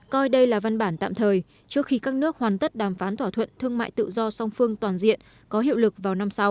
coi đây là văn bản tạm thời trước khi các nước hoàn tất đàm phán thỏa thuận thương mại tự do song phương toàn diện có hiệu lực vào năm sau